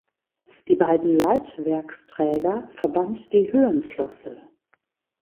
Die beiden Leitwerksträger verband die Höhenflosse.